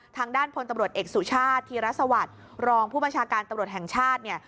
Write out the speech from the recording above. ทางด้านพลตำรวจเอกสุชาติธีรสวัสดิ์รองผู้บัญชาการตำรวจแห่งชาติเนี่ย